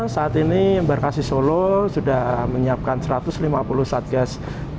saat ini embarkasi solo sudah menyiapkan satu ratus lima puluh satgas